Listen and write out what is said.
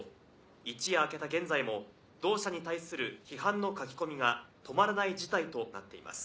一夜明けた現在も同社に対する批判の書き込みが止まらない事態となっています。